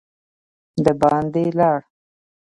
د باندي لاړ.